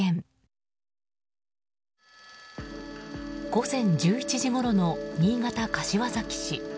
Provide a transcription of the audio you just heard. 午前１１時ごろの新潟・柏崎市。